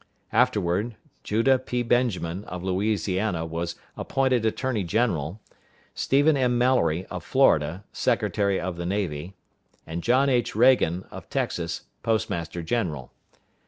Afterward, Judah P. Benjamin, of Louisiana, was appointed Attorney general; Stephen M. Mallory, of Florida, Secretary of the Navy; and John H. Reagan, of Texas, Postmaster general.